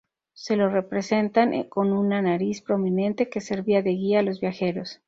Se lo representan con una nariz prominente, que servía de guía a los viajeros.